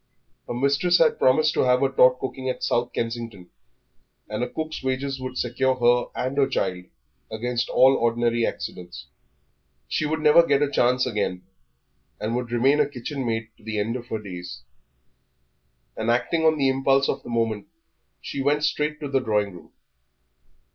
Her mistress had promised to have her taught cooking at South Kensington, and a cook's wages would secure her and her child against all ordinary accidents. She would never get such a chance again, and would remain a kitchen maid to the end of her days. And acting on the impulse of the moment she went straight to the drawing room.